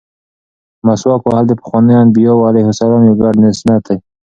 مسواک وهل د پخوانیو انبیاوو علیهم السلام یو ګډ سنت دی.